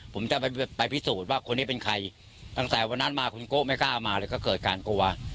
ผมจะไปพิสูจน์ว่าคนนี้เป็นใครตั้งแต่วันนั้นมาคุณโก้ไม่กล้ามาเลยก็เกิดการกลัว